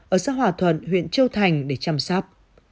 ở xã hòa thuận huyện châu thành để chăm sóc